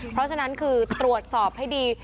เพราะฉะนั้นคือตรวจสอบให้ดี